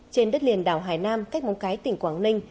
trên đất liền đảo hải nam cách móng cái tỉnh quảng ninh